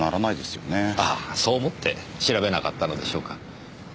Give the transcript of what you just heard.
ああそう思って調べなかったのでしょうか。